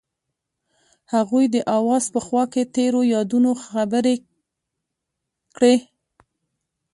هغوی د اواز په خوا کې تیرو یادونو خبرې کړې.